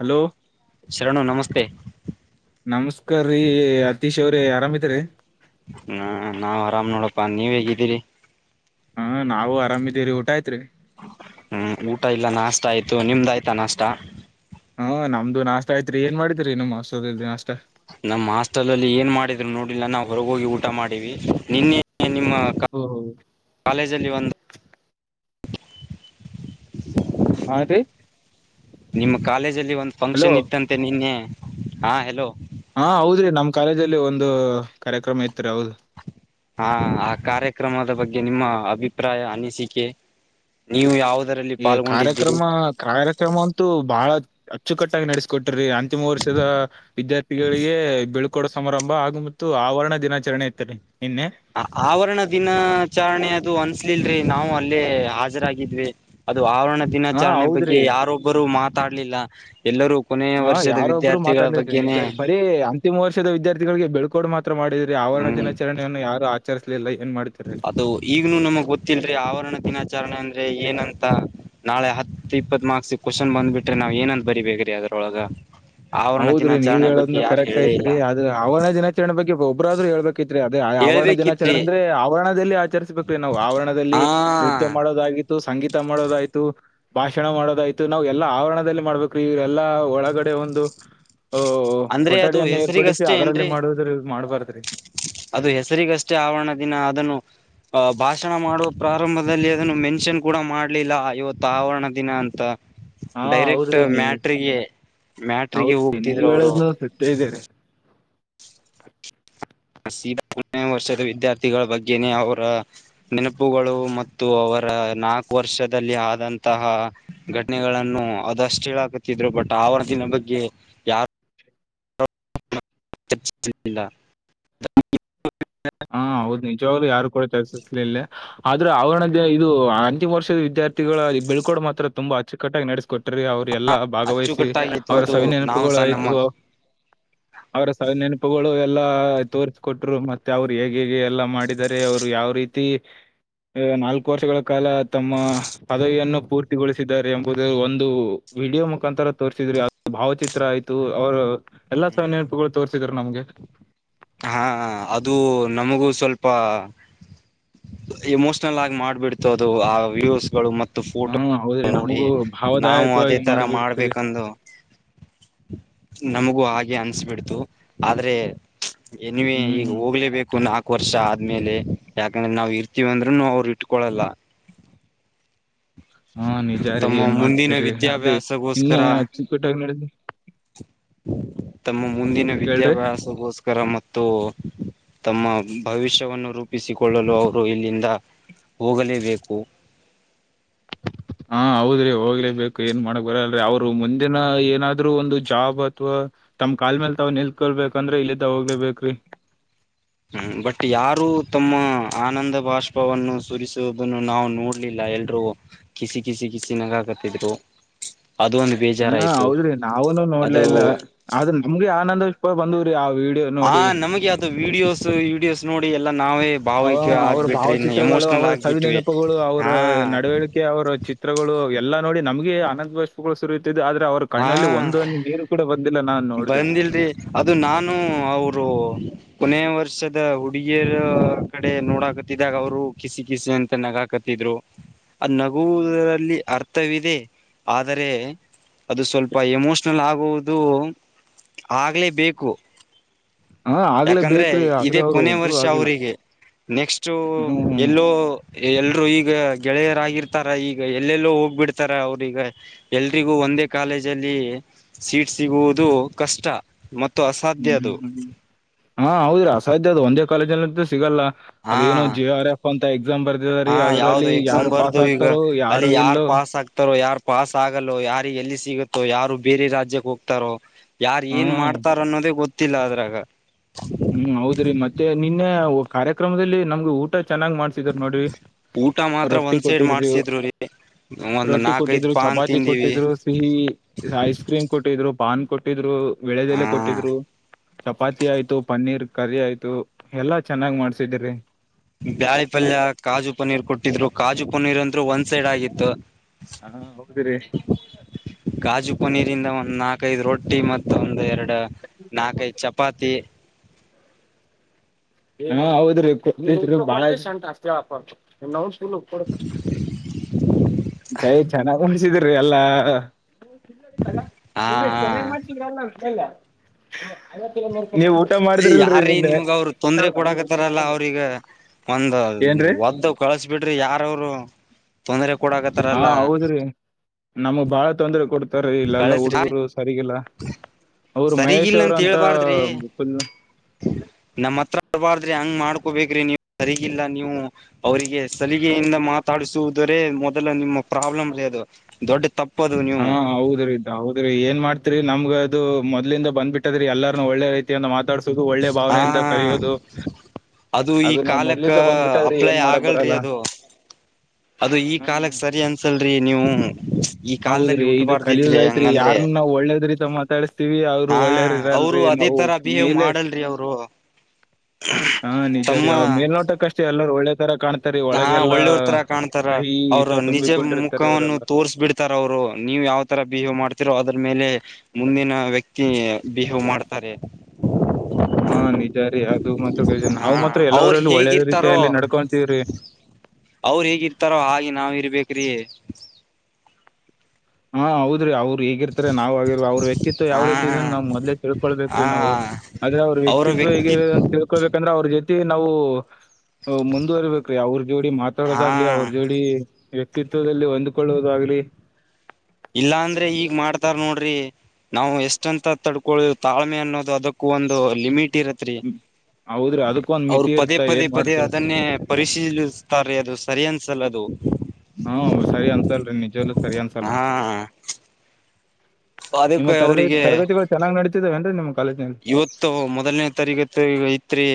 Hello ಶರಣು ನಮಸ್ತೆ ನಮಸ್ಕಾರ್ರೀ ಅತೀಶ್ ಅವ್ರೆ ಆರಾಮಿದಿರಿ ಹಾ ನಾವ್ ಆರಾಮ್ ನೋಡಪ್ಪಾ ನೀವ್ ಹೇಗಿದ್ದೀರಿ ಹ ನಾವು ಆರಾಮ ಇದೀವಿರಿ ಊಟ ಆಯತ್ರಿ ಹ್ಮ್ ಊಟ ಇಲ್ಲ ನಾಷ್ಟ ಆಯ್ತು ನಿಮ್ದ ಆಯ್ತಾ ನಾಷ್ಟ ಹ್ಮ್ ನಮ್ದು ನಾಷ್ಟ್ ಆಯ್ತತ್ರಿ ಏನ್ ಮಾಡಿದರಿ ನಮ್ಮ್ ಹಸುವಾಗೆದ ನಮ್ಮ್ ಹಾಸ್ಟೆಲ್ ಅಲ್ಲಿ ಏನ್ ಮಾಡಿದ್ರು ನೋಡಿಲ್ಲ ನಾವು ಹೊರಗೋಗಿ ಊಟ ಮಾಡಿವಿ ನಿನ್ನೆ ನಿಮ್ಮ ಕಾಲೇಜಲ್ಲಿ ಒಂದ ಹಾ ರೀ ನಿಮ್ಮ ಕಾಲೇಜಲ್ಲಿ ಒಂದು್ ಹಲೋ ಫಂಕ್ಷನ್ ಇತ್ತಂತೆ ನಿನ್ನೆ ಹಾ ಹೆಲೋ ಹಾ ಹೌದ್ರಿ ನಮ್ ಕಾಲೇಜಲ್ಲಿ ಒಂದು ಕಾರ್ಯಕ್ರಮ ಇತ್ ರರಿ ಹೌದು ಹಾ ಆ ಕಾರ್ಯಕ್ರಮದ ಬಗ್ಗೆ ನಿಮ್ಮ ಅಭಿಪ್ರಾಯ ಅನಿಸಿಕೆ ನೀವು ಯಾವ್ದ ಈ ಕಾರ್ಯಕ್ರಮ ಕಾರ್ಯಕ್ರಮ ಅಂತೂ ಬಹಳ ಅಚ್ಚುಕಟ್ಟಾಗಿ ನಡೆಸ್ಕೊಟ್ಟ ಅಂತಿಮ ವರ್ಷದ ವಿದ್ಯಾರ್ಥಿಗಳಿಗೆ ಬೆಳ ಕೂಡ ಸಮಾರಂಭ ಹಾಗು ಮತ್ತು ಆವರಣ ದಿನಾಚರಣೆ ಇತಾರೆ ಆವರಣ ದಿನಾಚಾರರಣೆ ಅದು ಅನ್ಸ್ಲಿಲ್ಲ ನಾವು ಅಲ್ಲೇ ಹಾಜರಾಗಿದ್ವಿ ಅದು ಆವರಣ ಹಾ ದಿನಾಚರಣೆ ಹೌದ್ರಿ ಬಗ್ಗೆ ಯಾರೊಬ್ಬರು ಮಾತ್ರ ಮಾತಾಡ್ಲಿಲ್ಲ ಎಲ್ಲರೂ ಕೊನೆಯ ಹ ವರ್ಷದ ಯಾರೊಬ್ರು ವಿದ್ಯಾರ್ಥಿಗಳ ಮಾತಾಡ್ರಿ ಬಗ್ಗೆನೆ ನಿಜ ಬರೀ ಅಂತಿಮ ವರ್ಷದ ವಿದ್ಯಾರ್ಥಿಗಳಿಗೆ ಬೆಳ್ಕೋಡು ಮಾತ್ರ ಮಾಡಿದ್ರೆ ಆವರಣ ಹ್ಮ್ ದಿನಾಚರಣೆಯನ್ನು ಯಾರು ಆಚರಿಸಲಿಲ್ಲ ಅದು ಈಗ್ನು ನಮಗ್ ಗೊತ್ತಿಲ್ರಿ ಆವರಣ ದಿನ ವಿಚಾರಣೆ ಅಂದ್ರೆ ಏನಂತ ನಾಳೆ ಹತ್ ಇಪ್ಪತ್ ಮಾರ್ಕ್ಸ್ ಕ್ವಶನ್ ಬಂದ್ ಬಿಟ್ರೆ ನಾವ್ ಏನಂದಂತ ಬರಿ ಬೇಕ್ರಿ ಅದುನ ತೊಳಗ ಹೌದ್ರಿ ನೀವ್ ಹೇಳೋದ್ನು ಕರೆಕ್ಟ್ ಇಲ್ಲ ಐತ್ರಿ ಆದ್ರ ಅವನೇ ದಿನಾಚರಣೆ ಬಗ್ಗೆ ಒಬ್ಬ್ರಾದ್ರರು ಹೇಳ್ಬೇಕಿತ್ರಿ ಅದೇ ಆವರಣ ಹೇಳ್ಬೇಕಿತ್ರಿ ದಿನಾಚರಣೆ ಅಂದ್ರೆ ಆವರಣದಲ್ಲಿ ಆಚರಿಸ್ಬೇಕ್ರೀ ನಾವು ಹಾ ಆವರಣದಲ್ಲಿ ನೃತ್ಯ ಮಾಡೋದಾಗಿರೆ ಸಂಗೀತ ಮಾಡೋದಾಯ್ತು ಭಾಷಣ ಮಾಡೋದಾಯ್ತು ನಾವ್ ಎಲ್ಲಾ ಆವರಣದಲ್ಲಿ ಮಾಡ್ಬೇಕ್ರೀ ಇವು ಎಲ್ಲಾ ಒಳಗಡೆ ಒಂದು ಓ ಅಂದ್ರೆ ಅದು ಕೊಠಡಿಯನ್ನ ಏರ್ಪಡಿಸಿ ಹೆಸರಿಗಷ್ಟೇ ಅದರಲ್ಲಿ ಏನ್ರಿ ಮಾಡುದ್ರ ಮಾಡ್ಬಾರ್ದ್ರಿ ಅದು ಹೆಸರಿಗಷ್ಟೇ ಆವರಣ ದಿನ ಅದನ್ನು ಅ ಭಾಷಣ ಮಾಡುವ ಪ್ರಾರಂಭದಲ್ಲಿ ಅದನ್ನು ಮೆನ್ಷನ್ ಕೂಡ ಮಾಡ್ಲಿಲ್ಲ ಇವತ್ತು ಆವರಣ ದಿನ ಅಂತ ಹಾ ಡೈರೆಕ್ಟ್ ಹೌದ್ರಿ ನೀವ್ ಮ್ಯಾಟ್ರಿಗೆ ಮ್ಯಾಟ್ರಿಗೆ ಹೌದ್ರಿ ನೀವ್ ಹೋಗ್ತಿದ್ರು ಅವರು ಹೇಳೋದ್ನು ಸತ್ಯ ಇದೆ. ನಸೀಬ [unintelligible] ನೇ ವರ್ಷದ ವಿದ್ಯಾರ್ಥಿಗಳ ಬಗ್ಗೆ ಅವರ ನೆನಪುಗಳು ಮತ್ತು ಅವರ ನಾಲ್ಕು ವರ್ಷ ವರ್ಷದಲ್ಲಿ ಆದಂತಹ ಘಟನೆಗಳನ್ನು ಅದಷ್ಟು ಹೇಳಾಕತಿದ್ರು ಬಟ್ ಅವತ್ತಿನ ಬಗ್ಗೆ ಯಾರು ಸ ಹಾ [unintelligible] ಹೌದು ಯಾರು ಕೂಡ ಕೆಲಸಕ್ಕ ಸೇರಿಲ್ಲ ಆದ್ರೆ ಅವ್ರನ ಇದು ಅಂತಿಮ ವರ್ಷದ ವಿದ್ಯಾರ್ಥಿಗಳು ಬೆಳ್ಕೊಡ ಮಾತ್ರ ತುಂಬಾಚ್ಚುಟ್ಟಾಗಿ ನಡೆಸಿಕೊಟ್ಟ್ರ ಅವರು ಎಲ್ಲಾ ಭಾಗವಹಿಸಿ ಅಚ್ಚುಕಟ್ಟಾಗಿತ್ತು ಅವರ ಅದು ಸವಿನ ನಾವು ನೆನಪುಗಳು ಸಹ ನಮ್ಮ ಆಯ್ತು ಅವರ ಸವಿ ನೆನಪುಗಳು ಎಲ್ಲಾ ತೋರ್ಸ ಕೊಟ್ರು ಮತ್ತೆ ಮತ್ತೆ ಅವ್ರು ಹೇಗೆ ಹೇಗೆ ಎಲ್ಲ ಮಾಡಿದರೆ ಅವ್ರು ಯಾವ ರೀತಿ ಎ ನಾಲ್ಕು ವರ್ಷಗಳ ಕಾಲ ತಮ್ಮ ಪದವಿಯನ್ನು ಪೂರ್ತಿಗೊಳಿಸಿದ್ದಾರೆ ಎಂಬುದು ಒಂದು ವಿಡಿಯೋ ಮುಖಾಂತರ ತೋರ್ಸಿದ್ರಿ ಭಾವಚಿತ್ರ ಆಯ್ತು ಅವರು ಎಲ್ಲಾ ಸಹ ನೆನಪುಗಳು ತೋರ್ಸಿದ್ರ ನಮ್ಗೆ [unintelligible] ಹಾ ಅದು ನಮಗೂ ಸ್ವಲ್ಪ ಎಮೋಷ್ನಲ್ ಆಗಿ ಮಾಡ್ಬಿಡ್ತು ಅದು ಆ ವೀಡಿಯೋಸ್ಗಳು ಮತ್ತು ಫೋಟೋ ಹ್ಮ್, ಹೌದ್ರಿ ನೋಡಿ ನಮಗೂ ನಾವು ಅದೇ ಭಾವದಾಯಕವಾಗಿ ತರ ಮಾಡಿಬಿಡ್ತ್ರಿ. ಮಾಡ್ಬೇಕಂದು ನಮಗೂ ಹಾಗೆ ಅನ್ಸ್ಬಿಡ್ತು ಆದ್ರೆ ನ್ವೇ ಹ್ಮ್, ಈಗ ಹ್ಮ್. ಹೋಗ್ಲೇಬೇಕುಾ ವರ್ಷ ಆದ್ಮೇಲೆ ಯಾಕಂದ್ರೆ ನಾವವು ಇರ್ತೀವಿ ಅಂದ್ರೂನು ಅವರು ಇಟ್ಕೊೊಳ್ಳಲ್ಲ ಹಾ ನಿಜಾರಿೀ ಏನ್ ಮಾಡ್ತವ್ರಿ ಅದೇ ಇನ್ ವಿದ್ಯಾಭ್ಯಾಸಗೋಸ್ಕರ ಅಚ್ಚುಕಟ್ಟಾಗಿ ನಡ ತಮ್ಮ ಮುಂದಿನ ಕೇಳ್ರಿ ವಿದ್ಯಾಭ್ಯಾಸಗೋಸ್ಕರ ಮತ್ತು ತಮ್ಮ ಭವಿಷ್ಯವನ್ನು ರೂಪಿಸಿಕೊಳ್ಳಲು ಅವರು ಇಲ್ಲಿಂದ ಹೋಗಲೇಬೇಕು ಹಾ ಹೌದ್ರಿ ಹೋಗ್ಲೇಬೇಕು ಏನ್ ಮಾಡಕ್ ಬರಲ್ರರಿ ಅವ್ರು ಮುಂದಿನ ಏನಾದ್ರು ಒಂದು ಜಾಬ್ ಅಥವಾ ತಮ್ ಕಾಲ್ ಮೇಲ್ ತಾವ್ ನಿಲ್ಕೊಳ್ಬೇಕಂದ್ರೆ ಇಲ್ಲಿದ್ದ ಹೋಗ್ಲೇಬೇಕ್ರಿ ಹ್ಮ್ ಬಟ್ ಯಾರು ತಮ್ಮ ಆನಂದ ಬಾಷ್ಪವನ್ನು ಸುರಿಸುವುದನ್ನು ನಾವು ನೋಡ್ಲಿಲ್ಲ ಎಲ್ರೂ ಕಿಸಿ ಕಿಸಿ ಕಿಸಿನಾಗಾಕತ್ತಿದ್ರು [unintelligible] ಹಾ ಹೌದ್ರಿ ನಾವುನುೂ ನೋಡ್ಲ ಅದು ಇಲ್ಲ ಆದ್ ನಮ್ಗ ಆನಂದ ಭಾಷ್ವ ಬಂದವ್ರಿ ವಿಡಿಯೋ ಹಾ ನೋಡಿ ನಮಗೆ ಯಾವ್ದದು ವಿಡಿಯೋಸ್ ವಿಡಿಯೋಸ್ ನೋಡಿ ಎಲ್ಲಾ ನಾವೇ ಅವ ಭಾವೈಕ್ಯ ಅವ್ರ ಆಗ್ಬಿಟ್ರಿ ಇನ್ನು ಭಾವಚಿತ್ರಗಳು ಎಮೋಷನಲ್ ಅವರ ಸವಿ ಆಗ್ಬಿಟ್ವಿ ನೆನಪುಗಳು ಅವರ ಹಾ ನಡವಳಿಕೆ ಅವರ ಚಿತ್ರಗಳು ಎಲ್ಲಾ ನೋಡಿ ನಮ್ಗೆ ಆನಂದ ಭಾಷೆಗಳು ಸುರಿಯುತ್ತಿದೆ ಆದ್ರ ಅವರ ಕಣ್ಣಲ್ಲಿ ಹಾ ಒಂದಂದ ನೀರು ಕೂಡ ಬಂದ ಬಂದಿಲ್ರಿ ಅದು ನಾನು ಅವರು ಕೊನೆಯ ವರ್ಷದ ಹುಡುಗಿಯರ ಕಡೆ ನೋಡಾಕತಿದಾಗ ಅವರು ಕಿಸಿ ಕಿಸಿ ಅಂತ ನಗಾಕ ದ್ರು ಅ ನಗುವರಲ್ಲಿ ಅರ್ಥ ಇದೆ ಆದರೆ ಅದು ಸ್ವಲ್ಪ ಎಮೋಷನಲ್ ಆಗುವುದು ಆಗ್ಲೇಬೇಕು ಹಾ ಆಗ್ಲೇ ಯಾಕಂದ್ರೆ ಬೇಕ್ರಿ ಇದೇ ಆದ್ರೆ ಅವ್ರು ಕೊನೆ ಒಬ್ರು ವರ್ಷ ಆಗಿಲ್ಲ ಅವರಿಗೆ ನೆಕ್ಸ್ಟ್ ಹ್ಮ್ ಹ್ಮ್ ಎಲ್ಲೋ ಎಲ್ರು ಈಗ ಗೆಳೆಯರಾಗಿರ್ತಾರ ಈಗ ಎಲ್ಲೆಲ್ಲೋ ಹೋಗ್ಬಿಡ್ತಾರ ಅವ್ರಗ ಎಲ್ರಿಗೂ ಒ ಒಂದೇ ಕಾಲೇಜಲ್ಲಿ ಸೀಟ್ ಸಿಗುವುದು ಕಷ್ಟ ಮ ಹ್ಮ್ ಹ್ಮ್ ಹ್ಮ್ ಹ್ಮ್ ಹ ಹೌದ್ರಿ ಅಸಾಧ್ಯ ಅದು ಒಂದೇ ಕಾಲೇಜ್ಲ್ಲಿಂತ ಸಿಗಲ್ಲ ಹಾ ಅದೇನು ಜೆ ಆರ್ ಎಫ್ ಅಂತ ಎಕ್ಸಾಮ್ ಬರ್ದಿದಾರಿ ಹಾ ಯಾವ್ದ ಅದ್ರಲ್ಲಿ ಎಕ್ಸಾಮ್ ಯಾರು ಪಾಸ್ ಬರ್ದು ಈಗ ಆಗ್ತಾರೋ ಅಲ್ಲಿ ಯಾರು ಯಾರ್ ಇಲ್ಲೋ ಪಾಸ್ ಆಗ್ತಾರೋ ಯಾರ್ ಪಾಸ್ ಆಗಲ್ಲೋ ಯಾರ ಎಲ್ಲಿ ಸಿಗುತ್ತೋ ಯಾರು ಬೇರೆ ರಾಜ್ಯಕ್ಕೆ ಹೋಗ್ತಾರೋ ಯಾರು ಹ್ಮ ಏನ್ ಮಾಡ್ತಾರ ಅನ್ನೋದೇ ಗೊತ್ತ ತ್ತಲಾದ್ರಾಗ ಹ್ಮ್ ಹೌದ್ರಿ ಮತ್ತೆ ನಿನ್ನೆ ಕಾರ್ಯಕ್ರಮದಲ್ಲಿ ನಮ್ಗೆ ಊಟ ಚೆನ್ನಾಗ್ ಮಾಡ್ಸಿದ್ರ ನೋಡಿ ಊಟ ಮಾತ್ರ ರೊಟ್ಟಿ ಒಂದ್ ಸೈಡ್ ಕೊಟ್ಟಿದ್ರಿ ಮಾಡ್ಸಿದ್ರು ರೀ ಒಂದ್ ರೊಟ್ಟಿ ನಾಕೈದ್ ಕೊಟ್ಟಿದ್ರು ಪಾನ್ ಚಪಾತಿ ತಿಂದಿವಿ ಕೊಟ್ಟಿದ್ರು ಸಿಹಿ ಐಸ್ ಕ್ರೀಮ್ ಕೊಟ್ಟಿದ್ರು ಪಾನ್ ಕೊಟ್ಟಿದ್ರು ಹಾ ಬೆಳೆದೆಲೆ ಕೊಟ್ಟಿದ್ರು ಚಪಾತಿ ಆಯ್ತು ಪನ್ನೀರ್ ಕರಿ ಆಯ್ತು ಎಲ್ಲಾ ಚೆನ್ನಾಗ್ ಮಾಡ್ಸಿದಿರರಿ ಇಟ್ಟಿದ್ರು ಕಾಜು ಪನೀರ್ ಅಂದರು ಒಂದ್ ಸೈಡ್ ಆಗಿತ್ತು ಹಾ ಹೌದ್ರಿ ದ ಒಂದ್ ನಾಕೈದು ರೊಟ್ಟಿ ಮತ್ತ ಒಂದು ಎರಡು ನಾಲ್ಕೈದು ಚಪಾತಿ ಹಾ ಹೌದ್ರೀ ಬಾಳ ಎಷ್ಟ ಉಂಟ ಆತವಪ ಚೈ ಚೆನ್ನಾಗ ಉಣಸಿದಿ ಅಲ್ಲಾ ಹಾ ನಿನೆ ಹಾ ಮಾಡಲ್ಲಲ್ಲವತ್ತ ನೀವ್ ಊಟ ಮಾಡಿದ್ರಿಲ್ರರಿ ಇಲ್ಲಿ ತೊಂದ್ರ ಕೊೂಡಕತಾರಲ್ಲ ಅವ್ರಗ ಒಂದ ಏನ್ರೀ ಒದ್ದು ಕಳಸಬಿಟ್ಟ ಯಾರವರು ತೊಂದರೆ ಕೂಡಕತಾರಲ್ಲ ನಮ್ಗ್ ಬಾಳ ತೊಂದ್ರೆ ಕೊಡ್ತಾರ ಇಲ್ಲೆಲ್ಲಾ ಕಳಸ್ರಿ ಹುಡುಗರು ಸರಿಗಿಲ್ಲ ಅವರು ಮಹೇಶ್ ಸರಿಗಿಲ್ಲ ಅವ್ರ ಅಂತ ನಮ್ಮತ್ರಬ ಹಂಗ್ ಮಾಡ್ಕೋಬೇಕ್ರಿ ನೀವು ಸರಿಗಿಲ್ಲ ನೀವು ಅವರಿಗೆ ಸಲಿಗೆಯಿಂದ ಮಾತಾಡಸುದು ಮೊದಲು ನಿಮ್ಮ ಪ್ರಾಬ್ಲಮ ರ ಅದು ದೊಡ್ಡ ತಪ್ಪ ಹಾ ಹೌದ್ರಿ ಇದ ಹೌದ್ರಿ ಏನ್ ಮಾಡ್ತ ತ್ ನಮ್ ಅದು ಮೊದ್ಲಿಂದ ಬಂದ್ ಬಿಟ್ಟಟದ್ರೀ ಎಲ್ಲಾರ್ನು ಒಳ್ಳೆ ರೀಯ ಮಾತಾಡ ಒಳ್ಳೆ ಹಾ ಭಾವನೆ ಅಂತ ಕರೆಯೋದು ಈ ಅದು ನಾವ್ ಕಾಲಕ್ಕ ಮೊದ್ಲಿದ್ದ ಬಂದ್ಬಿಟ್ಟ್ರಿ ಅಪ್ಲೈ ಏನ್ ಮಾಡಕ್ ಆಗಲ್ರಿ ಬರಲ್ಲ ಅದು ಅದು ಈ ಹ್ಮ್ ಕಾಲಕ್ ಸರಿ ಅನ್ಸಲ್ರಿ ನೀವು ಈ ಕಾಲದಲ್ಲಿ ಹೌದ್ರಿ ಇದು ಕಲಿಯ್ ಹುಟ್ಟಬಾರ್ದಿತ್ರಿ ಆಯ್ತ್ರಿ ಹಂಗಂದ್ರೆ ಯಾರ್ನ್ನ ನಾ ಒಳ್ಳೇದ್ರತ ಮಾತಾಡಿಸತಿೀವಿ ಅವರು ಹಾ ಒಳ್ಳೇರ್ ಇರಾರ ಅವರು ಲ್ರಿ ಅದೇ ನಾವು ತರ ಬಿಹೇವ್ ಮೇಲೆ ಮಾಡಲ್ರಿ ಅವರು ಹಾ ನಿಜ ರೀ ತಮ್ಮ ಅವ್ ಮೇಲ್ನೋಟಕ್ಕ ಅಷ್ಟೇ ಎಲ್ಲರೂ ಒಳ್ಳೆ ತರ ಕಾಣ್ತ ಹಾ ಒಳ್ಳೆವರ್ ತರ ಕಾಣ್ತಾರ ಇಸ ಅವರು ನಿಜ ತುಂಬಿಕೊಂಡಿರ್ತಾರ್ರಿ ಮುಖವನ್ನು ಅವ್ರೆಲ್ಲ. ತೋರ್ಸ್ ಬಿಡ್ತಾರ ಅವರು ನೀವ್ ಯಾವ್ ತರ ಬಿಹೇವ್ ಮಾಡ್ತಿರೋ ಅದ್ರ ಮೇಲೆ ಮುಂದಿನ ವ್ಯಕ್ತಿ ಬಿಹೇವ್ ಮಾಡ್ತಾರೆ ಹಾ ನಿಜ ರೀ ಹ ಅದು ಮಾತ್ರ ಕ ಹಾ ನಾವು ಮಾತ್ರ ಅವ್ರ ಎಲ್ಲವರಲ್ಲೂ ಒಳ್ಳೆ ಹೇಗಿರ್ತಾರೋ ರೀತಿಯಲ್ಲಿ ನಡ್ಕೊಂತೀವ್ರಿ ಅವ್ರ ಹೇಗಿರ್ತಾರೋ ಹಾಗೆ ನಾವ ಇರ್ಬೇಕ್ರಿ ಹಾ ಹೌದ್ರಿ ಅವರು ಹಗಿರ್ತಾರೆ ನಾವ್ ಆಗಿರ್ ಅವ್ರ ವ್ಯಕ್ತಿತ್ವಾವ ಹಾ ರೀತಿ ಇದ ನವು ಮೊದ್ ಹಾ ತಿಳಳ್ಬೇಕ್ರೀ ನಾವು ಆದ್ರೆ ಅವ್ರ ಅವರ ವ್ಯಕ್ತ್ವ ಹಗ ವ್ಯಕ್ತಿ ಅಂತ ತಿಳ್ಕೊಬೇಕಂದ್ರೆ ಅವ್ರ ಜೊತೆ ಮತಿ ನಾವು ಮುಂದುವರಿಬೇಕ್ರೀ ಅವ್ರ ಜೋಡಿ ಹಾ ಮಾತಾಡೋದಾಗ್ಲಿ ಅವ್ರ ಜೋಡಿ ವ್ಯಕ್ತಿತ್ವದಲ್ಲಿ ಹೊಂದ್ಕೊಳ್ಳೋುದಾಗ್ಲಿ ಇಲ್ಲಾ ಅಂದ್ರೆ ಈಗ್ ಮಾಡ್ತಾರ ನೋಡ್ರಿ ನಾವು ಎಷ್ಟಂತ ತಡ್ಕೊಳ್ಳ ತಾಳ್ಮೆ ಅನ್ನೋದು ಅದಕ್ಕೂ ಒಂದು ಲಿಮಿಟ್ ಇರತ್ರಿ ಹ್ಮ್, ಹೌದ್ರಿ ಅದಕ್ಕೊಂದ್ ಅವರು ಮಿತಿ ಪದೇ ಇರ್ತ ಪದೇ ಏನ್ ಪದೇ ಮಾಡ್ತೀರಿ ಅದನ್ನೇ ಪರಿಶೀಲಿಸ್ತಾರೀ ಅದು ಸರಿ ಅಂತ ಸಲದು ಹ್ಮ ಸರಿ ಅನ್ಸಲ್ರಿ ನಿಜಲ್ಲ ಸರಿ ಅನ್ಸಲ್ಲ ಹಾ ನಿಮ್ಮ ಅದಕ್ಕೆ ತರಗತಿ ಅವರಿಗೆ ತರಗತಿಗಳು ಚೆನ್ನಾಗ್ ನಡತಿದಾವೇನ್ ನಿಮ್ಗೆ ಇವತ್ತು ಮೊದಲನೇ ತಾರೀಕ ಐತ್ರಿ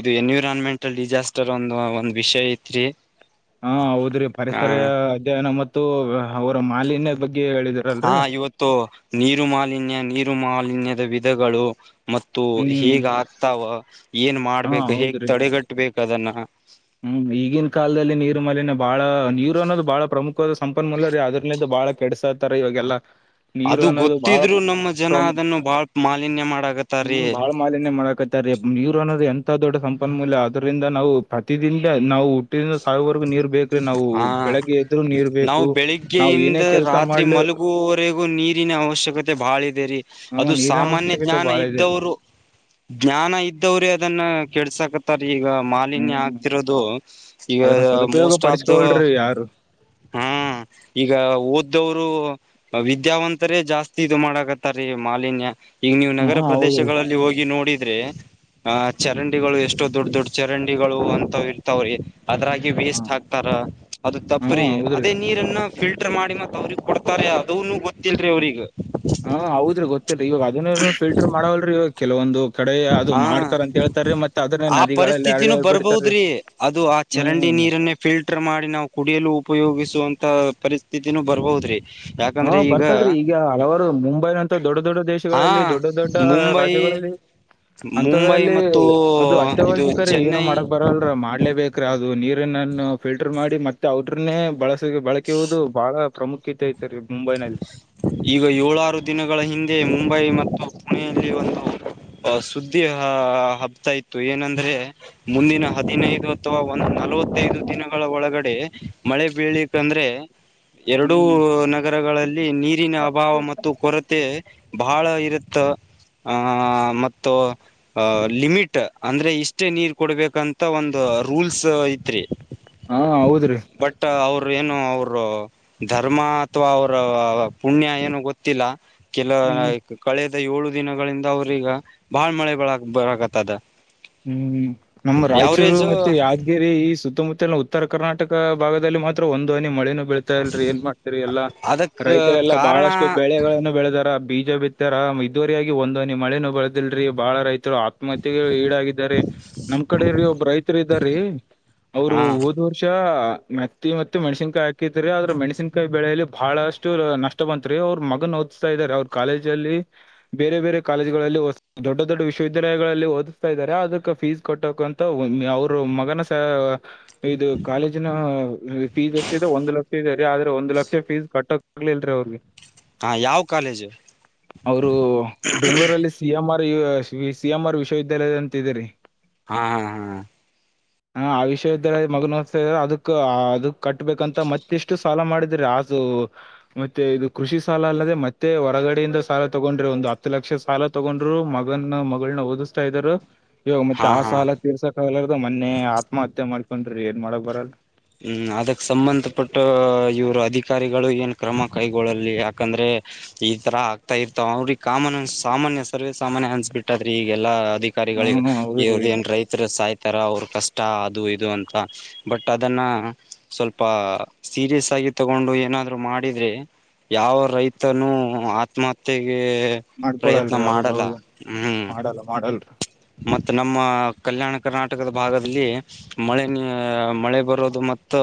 ಇದು ಎನ್ವಿರಾನ್ಮೆಂಟಲ್ ಡಿಸಾಸ್ಟರ್ ಒಂದ ಒಂದ್ ವಿಷಯ ಐತ್ರಿ ಹಾ ಹೌದ್ರಿ ಹ ಪರಿಸರ ಅಧ್ಯಯನ ಮತ್ತು ಅವರ ಮಾಲಿನ್ಯ ಬಗ್ಗೆ ಹಾ ಹೇಳಿದಿರಲ್ರಿ ಇವತ್ತು ನೀರು ಮಾಲಿನ್ಯ ನೀರು ಮಾಲಿನ್ಯದ ವಿಧಗಳು ಮತ್ತು ಹ್ಮ್ ಹೇಗ್ ಆಗ್ತಾವ ಏನ್ ಹಾ ಮಾಡ್ಬೇಕ ಹೇಗ್ ಹೌದ್ರಿ ತಡೆಗಟ್ಬೇಕ ಅದನ್ನ ಹ್ಮ್ ಈಗಿನ ಕಾಲದಲ್ಲಿ ನೀರುಮಲೆಿನ ಬಾಳ ನೀರು ಅನ್ನೋದು ಬಾಳ ಪ್ರಮುಖ ಸಂಪನ್ಮೂಲ ರೀ ಅದ್ರಲು ಬಾಳ ಕೆಡಸತ ಇವಾಗಲ್ಲಾ ನೀರು ಅದು ಅನ್ನೋದು ಬಾಳ ಗೊತ್ತಿದ್ರು ನಮ್ಮ ಜನ ಅದನ್ನು ಬಾಳ್ ಮಾಲಿನ್ಯ ಮಾಡಕತ್ತಾರೀ ಹ್ಮ್ ಬಹಳ ಮಾಲಿನ್ಯ ಮಾಡಕತ್ತ ಯೂರೋದ ದೊಡ್ಡ ಸಂಪನ್ಮೂಲಯ ಅದರಿಿಂದ ನಾವು ಪ್ರತಿದಿನಿಂದ ನಾವು ಹುಟ್ಟಿದಿಂದ ಸಾವಿವರೆಗೂ ನೀರು ಬೇಕ್ರಿ ನಾವು ಹ ಬೆಳಗ್ಗೆ ಎದ್ರು ನೀರ್ ನಾವು ಬೇಕು ನಾವವು ಏನೇ ಬೆಳಿಗ್ಗೆಯಿಂದ ಕೆಲ್ಸ ರಾತ್ರಿ ಮಾಡ್ಲು ಮಲಗುವವರೆಗೂ ನೀರಿನ ಅವಶ್ಯಕತೆ ಬಾಳ ಇದೆ ರರಿ ಅದು ನೀರಿನ ಸಾಮಾನ್ಯ ಅವಶ್ಯಕತೆ ಜ್ಞಾನ ಬಾಳ ಇದೆ. ಇದ್ದವರು ಜ್ಞಾನ ಇದ್ದವ್ರೇ ಅದನ್ನ ಕೆಡ್ಸಕ ಈಗ ಮಾಲಿನ್ಯ ಹ್ಮ್ ಆತಿರೋದು ಈ ಅದನ್ನ ಮೋ ಸದುಪಯೋಗ ಪಡಿಸ್ಕೊಳ್ರಿ ಯಾರು ಹಾ ಈಗ ಓದ ಇದ್ದವರು ವಿದ್ಯಾವಂತರೇ ಜಾಸ್ತಿ ಇದು ಮಾಡಕತ್ತಾರಿ ಮಾಲಿನ್ಯ ಈಗ ನೀವು ನಗರ ಹಾ ಹೌದ್ರಿ ಪ್ರದೇಶಗಳಲ್ಲಿ ಹೋಗಿ ನೋಡಿ ಆದ್ರೆ ಆಹ ಚರಂಡಿಗಳು ಎಷ್ಟೋ ದೊಡ್ ದೊಡ್ ಚರಂಡಿಗಳು ಅಂತ ಇರ್ತಾವ್ರಿ ಅದ್ರಾಗಿ ಹಾ ವೇಸ್ಟ್ ಹಾಕ್ತಾರ ಅದು ಹಾ ತಪ್ರಿ ಹೌದ್ರಿ ಅದೇ ನೀರನ್ನ ಫಿಲ್ಟರ್ ಮಾಡಿ ಮತ್ತತ್ ಅವ್ರಗ್ ಕೊಡ್ತಾರೆ ಅದನು ಗೊತ್ತಿಲ್ರರಿ ಅವ್ರಿಗೆ ಹಾ ಹೌದ್ರಿ ಗೊತ್ತೇರಿ ಇವಾಗ ಅದನ್ನ ಫಿಲ್ಟರ್ ಮಾಡವಲ್ರಿ ಇವಾಗ ಕೆಲವೊಂದು ಕಡೆ ಅದು ಹ ಮಾಡ್ತಾರ ಅಂತ ಹೇಳ್ತಾರೀ ಮತ್ ಅದನ್ನೇ ಆ ನದಿಗಳಲ್ಲ ಪರಿಸ್ಥಿತಿನೂ ಯಾರ ಬಿಡ್ತಾರೀ ಬರ್ಬೋದ್ರಿ ಅದು ಆ ಚರಂಡಿ ಹ್ಮ್ ನೀರನ್ನೇ ಫಿಲ್ಟರ್ ಮಾಡಿ ನಾವು ಕುಡಿಯಲು ಉಪಯೋಗಿಸುವಂತ ಪರಿಸ್ಥಿತಿನೂ ಬರಬಹದ್ರಿ ಹಾ ಬರ್ತದ್ರಿ ಈಗ ಹಲವಾರು ಮುಂಬೈನಂತ ದೊಡ್ಡ ದೊಡ್ಡ ಹಾ ದೇಶಗಳಲ್ಲಿ ದೊಡ್ಡ ದೊಡ್ಡ ಮುಂಬೈ ರಾಜ್ಯಗಳಲ್ಲಿ ಮುಂಬೈ ಅಂಂತದ್ರಲ್ಲಿ ಮತ್ತು ಅದು ಇದು ಅತ್ಯವಶ್ಯಕ ರೀ ಏನ ಚೆನ್ನೈ ಮಾಡಕ್ ಬರಲ್ರ ಮಾಡ್ಲೇಬೇಕ್ರ ಅದು ನೀರನ್ನನ್ನು ಫಿಲ್ಟರ್ ಮಾಡಿ ಮತ್ತೆ ಅವ್ರ್ರನ್ನೇ ಬಳಸ ಬಳಕೆಯುವುದು ಬಹಳ ಪ್ರಾಮುಖ್ಯತೆ ಇ ಈಗ ಏಳಾರು ದಿನಗಳ ಹಿಂದೆ ಮುಂಬೈ ಮತ್ತು ಪುಣೆಯಲ್ಲಿ ಒಂದು ಅ ಸುದ್ದಿ ಆ ಹಬ್ತಾ ಇತ್ತು ಏನಂದ್ರೆ ಮುಂದಿನ ಹದಿನೈದು ಅಥವಾ ಒಂದ ನಾಲ್ಕು ನವತ್ತೈದು ದಿನಗಳ ಒಳಗಡೆ ಮಳೆ ಬೀಳ್ಲಿಕ್ಂದ್ರೆ ಎರಡೂ ಹ್ಮ್ ನ ನಗರಗಳಲ್ಲಿ ನೀರಿನ ಅಭಾವ ಮತ್ತು ಕೊರತೆ ಬಹಳ ಇರುತ್ತ ಆ ಮತ್ತು ಆಹ ಲಿಮಿಟ್ ಅಂದ್ರೆ ಇಷ್ಟೇ ನೀರ್ ಕೊಡ್ಬೇಕಂತ ಒಂದು ರೂಲ್ಸ್ ಐತ್ರಿ ಹಾ ಹೌದ್ರೀ ಬಟ್ ಅವರು ಏನು ಅವರು ಧರ್ಮ ಅಥವಾ ಅವ್ರ ಪುಣ್ಯ ಏನು ಗೊತ್ತಿಲ್ಲ ಕೆಲ ಹ್ಮ್ ಕಳೆದ ಏಳು ದಿನಗಳಿಂದ ಅವ್ರೀಗ ಬಾಳ ಮಳೆ ಬಳ ಬರಗತ್ತ ಅದ ಹ್ಮ್ ನಮ್ಮ ರಾಯಚೂರು ಮತ್ತೆ ಯಾದಗಿರಿ ಈ ಸುತ್ತಮುತ್ತ ನ ಉತ್ತರ ಕರ್ನಾಟಕ ಭಾಗದಲ್ಲಿ ಮಾತ್ರ ಒಂದು ಹನಿ ಮಳೆ ಬೆಳ್ತಾ ಇಲ್ರಿ ಏನ್ ಮಾಡ್ತರಿ ಎಲ್ಲಾ ಅದಕ್ ರೈತರೆಲ್ಲ ಕಾರಣ ಬಾಳಷ್ಟು ಬೆಳೆಗಳಗಳನ್ನು ಬೆಳೆದಾರ ಬೀಜ ಬಿತ್ತಾರ ಇದುವರಿಯಗಾಗಿ ಒಂದ ನೀ ಮಳೆನು ಬಳದಿಲ್ರರಿ ಬಹಳ ರೈತರು ಆತ್ಮಹತ್ಯೆ ಈಡಾಗ ನಮ್ ಕಡೆ ಒಬ್ ರೈತರು ಇದ್ದಾರೀ ಅವರು ಹಾ ಹೋದ ವರ್ಷ ಮತ್ತಿ ಮತ್ತ ಮೆಣಸನ್ಕಾಯಿ ಹಾಕಿದ್ರರಿ ಆದ್ರ ಮೆಣಸಿನ್ಕಾಯಿ ಬೆಳಲಿ ಬಹಳಷ್ಟು ನಷ್ಟ ಬಂತತ್ರಿ ಅವ್ರ ಮಗನ್ ಓದಿಸ್ತಾ ಇದ್ದಾರೆ ಅವ್ರ ಕಾಲೇಜ ಅಲ್ಲಿ ಬೇರೆ ಬೇರೆ ಕಾಲೇಜ್ಗಳಲ್ಲಿ ದೊಡ್ಡ ದೊಡ್ಡ ವಿಶ್ವವಿದ್ಯಾಲಯ ಓದಿಸ್ತ ಇದ್ದಾರೆ ಅದಕ್ಕ ಫೀಸ್ ಕಟ್ಟಕ ಅಂತ ಅವ್ರ ಮಗನ ಸ ಇದು ಕಾಲೇಜಿನ ಫೀಸ್ ಎಷ್ಟಿದೆ ಒಂದು ಲಕ್ಷ ಇದೆ ರೀ ಆದ್ರ ಒಂದು ಲಕ್ಷ ಫೀಸ್ ಕಟ್ಟೋಕ್ ಆಗ್ಲಿಲ್ರರಿ ಅವ್ರಿಗೆ ಹಾ ಯಾವ ಕಾಲೇಜು ಅವರು ಬೆಂಗಳೂರಲ್ಲಿ C M R C M R ವಿಶ್ವವಿದ್ಯಾಲಯದ ಅಂತ ಇದರಿ ಹಾ ಹಾ ಹಾ ಹ ಆ ವಿಶ್ವವಿದ್ಯಾಲಯದ ಮಗನತ ಅದಕ್ ಅದಕ್ ಕಟ್ಬೇಕಂತ ಮತ್ತಿಷ್ಟು ಸಾಲ ಮಾಡಿದ್ರಿ ತಾಸು ಮತ್ತೆ ಇದು ಕೃಷಿ ಸಾಲ ಅಲ್ಲದೆ ಮತ್ತೆ ಹೊರಗಡೆಯಿಂದ ಸಾಲ ತಗೊಂಡ್ರೆ ಒಂದು ಹತ್ತು ಲಕ್ಷ ಸಾಲ ತಗೊಂಡ್ರು ಮಗನ ಮಗಳನ್ನ ಓದಿಸ್ತಾ ಇದರು ಇವಾಗ ಮತ್ತೆ ಹಾ ಹಾ ಆ ಹಾ ಸಾಲ ತೀರ್ಸಕ್ ಆಗ್ಲಾರದು ಮೊನ್ನೆ ಆತ್ಮಹತ್ಯೆ ಮಾಡ್ಕೊಂಡ್ರಿ ಏನ್ ಮಾಡಕ್ ಬರಲ್ಲಲ್ ಹ್ಮ್ ಅದಕ್ ಸಂಬಂಧಪಟ್ಟ ಇವ್ರ ಅಧಿಕಾರಿಗಳು ಏನ್ ಕ್ರಮ ಕೈಗೊಳ್ಳಲ್ಲಿ ಯಾಕಂದ್ರೆ ಈ ತರ ಆಗ್ತಾ ಇರ್ತಾವ ಅವ್ರಿಗೆ ಕಾಮನ್ ಸಾಮಾನ್ಯ ಸರ್ವೇ ಸಾಮಾನ್ಯ ಅನ್ಸಬಿಟ್ಟದ್ರಿ ಈಗೆಲ್ಲಾ ಅಧಿಕಾರಿಗಳಿಗೆ ಹ್ಮ ಹೌದ್ರಿ ಇವರು ಏನ್ ರೈತರು ಸಾಯ್ತಾರ ಅವ್ರ ಕಷ್ಟ ಅದು ಇದು ಅಂತ ಬಟ್ ಅ ಅದನ್ನ ಸ್ವಲ್ಪ ಸೀರಿಯಸ್ ಆಗಿ ತಗೊಂಡು ಏನಾದ್ರು ಮಾಡಿದ್ರೆ ಯಾವ ರೈತನು ಆತ್ಮಹತ್ಯೆ ಪ್ರಯತ್ನ ಮಾಡ್ಕೊಳಲ್ರಿ ಮಾಡಲ್ಲ ಹೌದೌದು ಹ್ಮ್ ಮಾಡಲ್ಲ ಮಾಡಲ್ರಿ ಮತ್ತ ನಮ್ಮ ಕಲ್ಯಾಣ ಕರ್ನಾಟಕದ ಭಾಗದಲ್ಲಿ ಮಳೆ ಮಳೆ ಬರೋದು ಮತ್ತು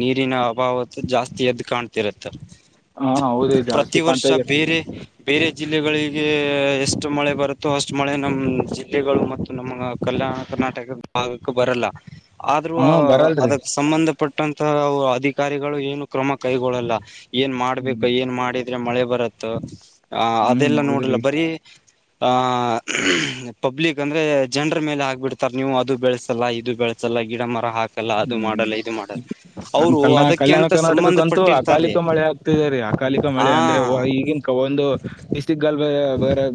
ನೀರಿನ ಅಭಾವ ಜಾಸ್ತಿ ಎದ ಕಾಣ್ತಿರುತ್ತೆ ಹಾ ಹೌದ್ರಿ ಜಾಸ್ತಿ ಪ್ರತಿ ವರ್ಷ ಕಾಣ್ತಾ ಇದೆ ಬೇರೆ ಬೇರೆ ಜಿಲ್ಲೆಗಳಿಗೆ ಎಷ್ಟು ಮಳೆ ಬರುತ್ತೋ ಅಷ್ಟು ಮಳೆ ನಮ್ಮ ಜ ಜಿಲ್ಲೆಗಳು ಮತ್ತು ನಮ್ಮ ಕಲ್ಯಾಣ ಕರ್ನಾಟಕ ಭಾಗಕ್ಕೆ ಬರಲ್ಲ ಆದ್ರೂ ಹಾ ಆ ಬರಲ್ರಿ ಅದಕ್ ಸಂಬಂಧ ಪಟ್ಟಂತ ಅಧಿಕಾರಿಗಳು ಏನು ಕ್ರಮ ಕೈಗೊಳ್ಳಲ್ಲ ಏನ್ ಹ್ಮ್ ಮಾಡ್ಬೇಕು ಏನ್ ಮಾಡಿದ್ರೆ ಮಳೆ ಬರುತ್ತ ಆ ಹ್ಮ್ ಅದೆಲ್ಲ ನೋಡಲ್ಲ ಹೌದ್ರಿ ಬರಿ ಆ ಪಬ್ಲಿಕ್ ಅಂದ್ರೆ ಜನರ ಮೇಲೆ ಹಾಕ್ಬಿಡ್ತಾರೆ ನೀವು ಅದು ಬೆಳೆಸಲ್ಲ ಇದು ಬೆಳಸಲ್ಲ ಗಿಡ ಮರ ಹಾಕ್ ಹ ನಮ ಕಲ್ ಅದಕ್ಕೆ ಕಲ್ಯಾಣ ಅಂತ ಸಂಬಂಧ ಕರ್ನಾಟಕಕ್ಕಂತೂ ಪಟ್ಟಿರ್ತಾರ್ರೀ ಅಕಾಲಿಕ ಮಳೆ ಆಗ್ತಿದೆ ರೀ ಅಕಾಲಿಕ ಮಳೆ ಅಂದ್ರೆ ಆ ಈಗಿನ ಕ ಒಂದು ಬಿಸಿಗಾಲ್ ಬ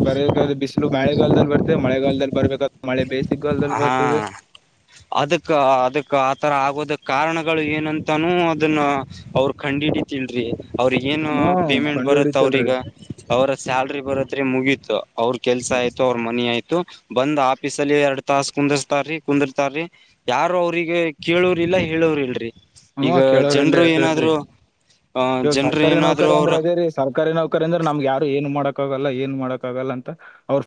ಬರ ಬಿಸಿಲು ಮಳೆಗಾಲದಲ್ಲಿ ಬರ್ತ್ತೆ ಮಳೆ ಗಲ್ದಲ್ಲಿ ಬರ್ಬೇಕ ಮಳೆ ಬೇಸಿಗಲ್ದಲ್ಲಿ ಹಾ ಬರ್ತದೆ ಅದಕ್ಕ ಅದಕ್ಕ ಆತರ ಆಗೋದ ಕಾರಣಗಳು ಏನಂತಾನೂ ಅದನ್ನ ಅವ್ರ ಕಂಡಹಿಡತಿಲ್ರಿ ಅವ್ರ ಏನು ಹ್ಮ್ ಪೇಮೆಂಟ್ ಕಂಡು ಬರುತ್ತ ಹಿಡಿತಲ್ರಿ ಅವ್ರಗ ಅವರ ಸ್ಯಾಲ್ರಿ ಬರತ್ೆ ಮುಗಿಯತ್ ಅವ್ರ ಕೆಲ್ಸ ಆಯ್ತು ಅವ್ರ ಮನಿ ಆಯ್ತು ಬಂದ್ ಆಫೀಸ ಅಲ್ಲಿ ಎರಡ್ ತಾಸ ಕುಂದರ್ಸ್ತಾರೀ ಕುಂದಿರ್ತಾರೀ ಯಾರು ಅವ್ರಿಗೆ ಕೇಳೋ್ರಿ ಇಲ್ಲಾ ಹೇಳೋರ ಇಲ್ರರಿ ಹ್ಮ ಕೇಳೋರ ಎಲ್ ಎಲ್ರಿ ಎಲ್ರಿ ಅ ಇವಾಗ ಜನರು ಸರ್ಕಾರಿ ರಿ ಏನಾದ್ರು ನೌಕರಿ ಅಂದ್ರೆ ಅವ್ರ ಅದೇ ರಿ ಸರ್ಕಾರಿ ನೌಕರಿ ಅಂದ್ರೆ ನಮ್ಗೆ ಯಾರು ಏನ್ ಮಾಡಕ್ ಆಗಲ್ಲ ಏನ್ ಮಾಡಕ್ಕ ಆಗಲ್ಲ ಅಂತ ಅವ್ರರು